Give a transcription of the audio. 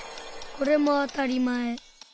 これもあたりまえ。